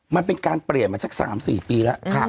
มันเป็นการเปลี่ยนมาสัก๓๔ปีแล้ว